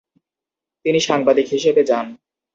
তিনি সাংবাদিক হিসেবে যান।